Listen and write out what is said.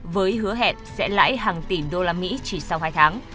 với hứa hẹn sẽ lãi hàng tỷ đô la mỹ chỉ sau hai tháng